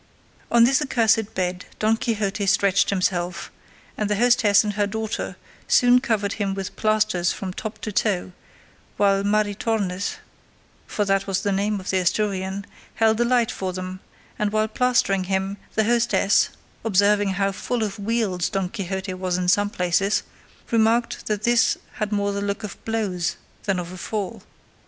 On this accursed bed Don Quixote stretched himself, and the hostess and her daughter soon covered him with plasters from top to toe, while Maritornes for that was the name of the Asturian held the light for them, and while plastering him, the hostess, observing how full of wheals Don Quixote was in some places, remarked that this had more the look of blows than of a fall.